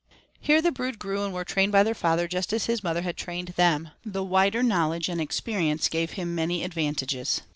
Here the brood grew and were trained by their father just as his mother had trained him; though wider knowledge and experience gave him many advantages.